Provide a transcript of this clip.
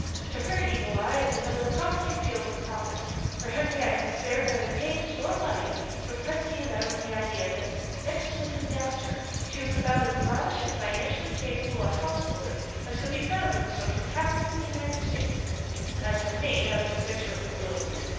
To her eagle eye it was another promising field for profit, for Henriette had spared neither pains nor money to impress Fiametta with the idea that next to Mrs. Gaster she was about as lavish and financially capable a householder as could be found in the Social Capital of the United States. As for me, I was the picture of gloom.